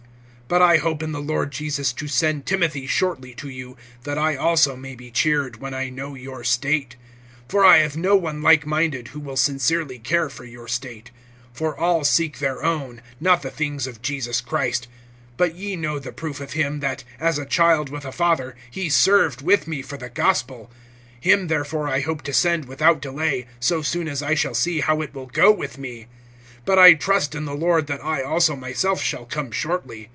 (19)But I hope in the Lord Jesus to send Timothy shortly to you, that I also may be cheered, when I know your state. (20)For I have no one like minded, who will sincerely care for your state. (21)For all seek their own, not the things of Jesus Christ. (22)But ye know the proof of him, that, as a child with a father, he served with me for the gospel. (23)Him therefore I hope to send without delay, so soon as I shall see how it will go with me; (24)but I trust in the Lord that I also myself shall come shortly.